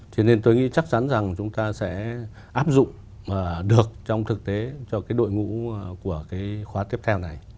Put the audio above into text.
thì nên tôi nghĩ chắc chắn rằng chúng ta sẽ áp dụng được trong thực tế cho đội ngũ của khóa tiếp theo này